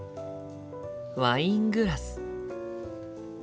ワイングラス。